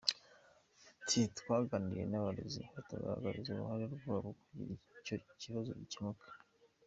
Ati “Twaganiriye n’abarezi tubagaragariza uruhare rwabo kugira ngo icyo kibazo gikemuke.